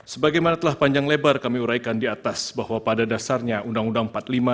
sebagaimana telah panjang lebar kami uraikan di atas bahwa pada dasarnya undang undang empat puluh lima